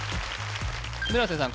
村瀬さん